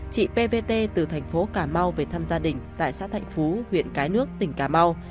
chị pvt từ thành phố cà mau về thăm gia đình tại xã thạnh phú huyện cái nước tỉnh cà mau